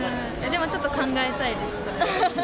でもちょっと考えたいです。